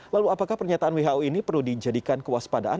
lalu apakah pernyataan who ini perlu dijadikan kewaspadaan